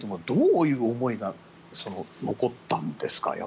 どういう思いが残ったんですか。